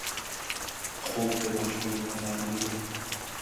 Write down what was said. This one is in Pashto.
خوب د ماشوم لپاره آرامي ده